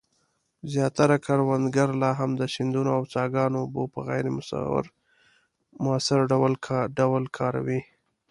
زیاتره کروندګر لا هم د سیندونو او څاګانو اوبه په غیر مؤثر ډول کاروي.